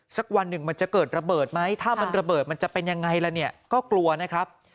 สักวันหนึ่งมันจะเกิดระเบิดไหมถ้ามันระเบิดมันจะเป็นยังไงล่ะเนี่ยก็กลัวนะครับ